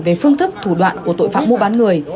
về phương thức thủ đoạn của tội phạm mua bán người